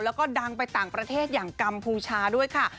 แล้วก็ดังไปต่างประเทศอย่างกัมพูชาด้วยค่ะ